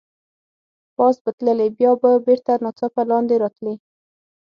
پاس به تللې، بیا به بېرته ناڅاپه لاندې راتلې.